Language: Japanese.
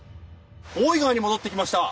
大井川に戻ってきました。